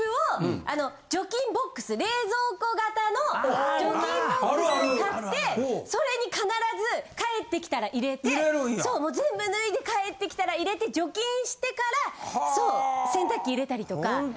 冷蔵庫型の除菌ＢＯＸを買ってそれに必ず帰ってきたら入れてもう全部脱いで帰ってきたら入れて除菌してからそう洗濯機入れたりとか。